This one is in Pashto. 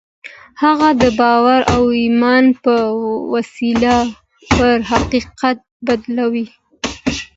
هغه د باور او ايمان په وسيله پر حقيقت بدلوي.